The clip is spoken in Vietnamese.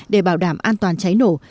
để bảo đảm an toàn cháy nổ